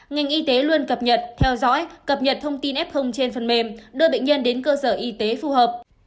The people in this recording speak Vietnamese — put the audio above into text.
ngành y tế luôn cập nhật theo dõi cập nhật thông tin f trên phần mềm đưa bệnh nhân đến cơ sở y tế phù hợp